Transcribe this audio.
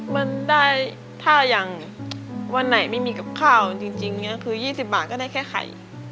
มันได้ถ้าอย่างวันไหนไม่มีกับข้าวจริงคือ๒๐บาทก็ได้แค่ไข่